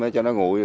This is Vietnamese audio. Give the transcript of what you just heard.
cho nó nguội